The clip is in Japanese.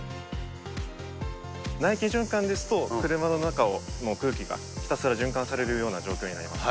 内気循環ですと、車の中の空気がひたすら循環されるような状況になります。